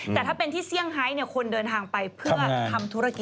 แต่ถ้าเป็นที่เซี่ยงไฮคนเดินทางไปเพื่อทำธุรกิจ